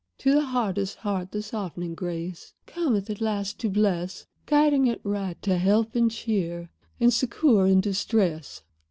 "To the hardest heart the softening grace Cometh, at last, to bless; Guiding it right to help and cheer And succor in distress.